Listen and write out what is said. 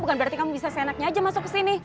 bukan berarti kamu bisa seenaknya aja masuk ke sini